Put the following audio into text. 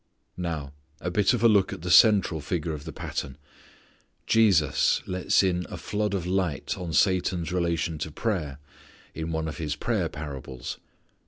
Now a bit of a look at the central figure of the pattern. Jesus lets in a flood of light on Satan's relation to prayer in one of His prayer parables.